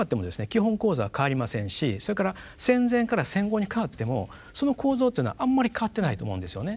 基本構造は変わりませんしそれから戦前から戦後に変わってもその構造というのはあんまり変わってないと思うんですよね。